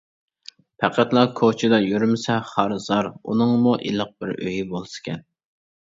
پەقەتلا كوچىدا يۈرمىسە خار-زار، ئۇنىڭمۇ ئىللىق بىر ئۆيى بولسىكەن!